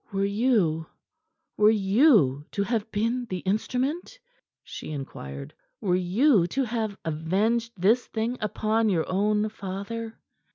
"Were you were you to have been the instrument?" she inquired. "Were you to have avenged this thing upon your own father?"